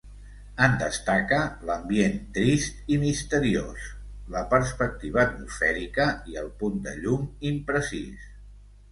En destaca l'ambient trist i misteriós, la perspectiva atmosfèrica i el punt de llum imprecís.